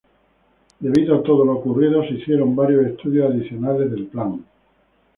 Debido a todo lo ocurrido, se hicieron varios estudios adicionales del plan.